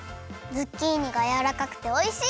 ズッキーニがやわらかくておいしい！